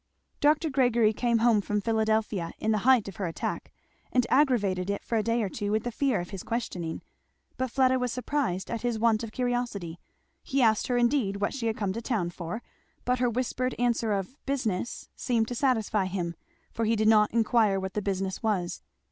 Dr. Gregory came home from Philadelphia in the height of her attack, and aggravated it for a day or two with the fear of his questioning. But Fleda was surprised at his want of curiosity. He asked her indeed what she had come to town for, but her whispered answer of "Business," seemed to satisfy him, for he did not inquire what the business was.